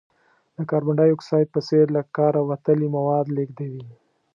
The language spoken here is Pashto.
د کاربن ډای اکساید په څېر له کاره وتلي مواد لیږدوي.